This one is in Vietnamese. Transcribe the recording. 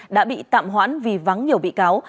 đã bị tạm hoãn vì vắng nhiều bị cáo